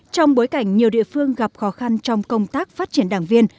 trong bối cảnh nhiều địa phương gặp khó khăn trong công tác phát triển đảng viên